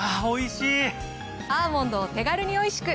アーモンドを手軽においしく。